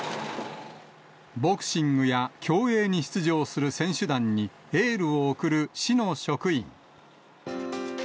ボクシングや競泳に出場する選手団にエールを送る市の職員。